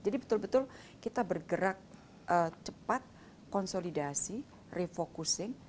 jadi betul betul kita bergerak cepat konsolidasi refocusing